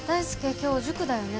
今日塾だよね